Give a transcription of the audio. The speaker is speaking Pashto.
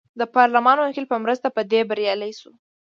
د پارلمان وکیل په مرسته په دې بریالی شو.